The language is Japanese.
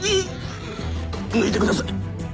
抜いてください！